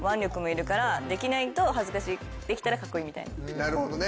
なるほどね。